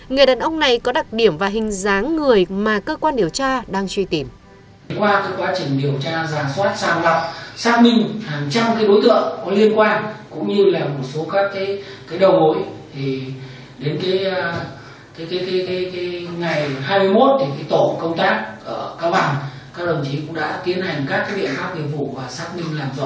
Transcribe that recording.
người đàn ông này có đặc điểm và hình dáng người mà cơ quan điều tra đang truy tìm